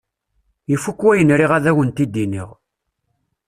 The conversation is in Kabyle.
Ifuk wayen riɣ ad awen-t-id-iniɣ.